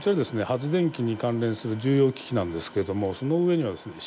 発電機に関連する重要機器なんですけどもその上にはですね